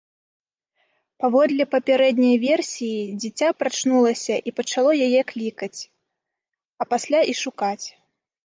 Паводле папярэдняй версіі, дзіця прачнулася і пачало яе клікаць, а пасля і шукаць.